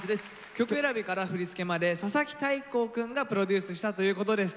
曲選びから振り付けまで佐々木大光くんがプロデュースしたということです。